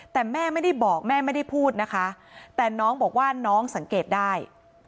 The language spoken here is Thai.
แต่แม่ไม่ได้บอกแม่ไม่ได้พูดนะคะแต่น้องบอกว่าน้องสังเกตได้